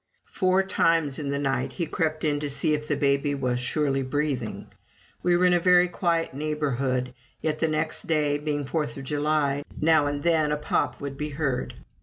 Four times in the night he crept in to see if the baby was surely breathing. We were in a very quiet neighborhood, yet the next day, being Fourth of July, now and then a pop would be heard.